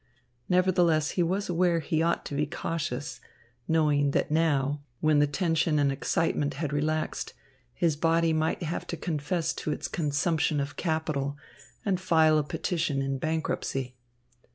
Nevertheless he was aware he ought to be cautious, knowing that now, when the tension and excitement had relaxed, his body might have to confess to its consumption of capital and file a petition in bankruptcy.